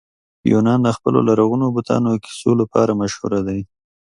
یونان د خپلو لرغونو بتانو کیسو لپاره مشهوره دی.